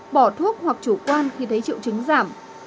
bỏ thuốc hoặc chủ quan khi thấy triệu chứng giảm